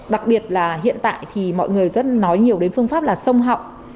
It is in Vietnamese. đặc biệt là hiện tại thì mọi người rất nói nhiều đến phương pháp là sông hậu